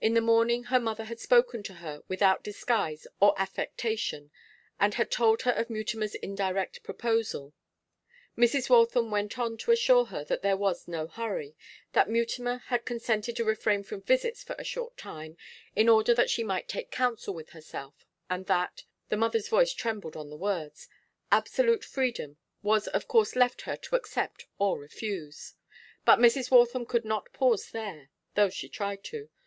In the morning her mother had spoken to her without disguise or affectation, and had told her of Mutimer's indirect proposal. Mrs. Waltham went on to assure her that there was no hurry, that Mutimer had consented to refrain from visits for a short time in order that she might take counsel with herself, and that the mother's voice trembled on the words absolute freedom was of course left her to accept or refuse. But Mrs. Waltham could not pause there, though she tried to.